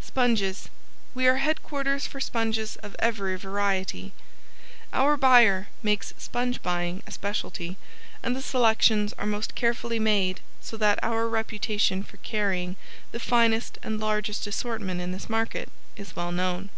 SPONGES We are headquarters for sponges of every variety. Our buyer makes sponge buying a specialty and the selections are most carefully made so that our reputation for carrying the finest and largest assortment in this market is well known.